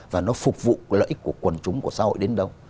và nó phục vụ lợi ích của quần chúng của xã hội đến đâu